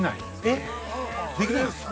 ◆えっ、できないんですか。